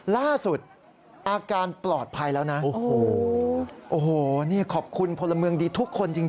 ล่าสุดอาการปลอดภัยแล้วนะโอ้โหโอ้โหนี่ขอบคุณพลเมืองดีทุกคนจริง